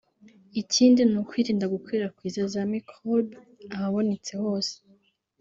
Ikindi ni ukwirinda gukwirakwiza za microbe ahabonetse hose